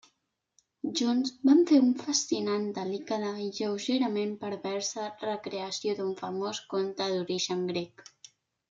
Junts van fer una fascinant, delicada i lleugerament perversa recreació d'un famós conte d'origen grec.